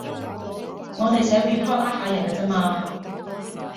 我哋寫 Report 呃下人㗎咋嘛